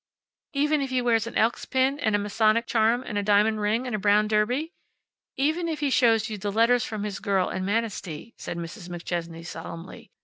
"Even if he wears an Elks' pin, and a Masonic charm, and a diamond ring and a brown derby?" "Even if he shows you the letters from his girl in Manistee," said Mrs. McChesney solemnly.